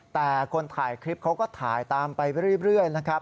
แต่คนถ่ายคลิปเขาก็ถ่ายตามไปเรื่อยนะครับ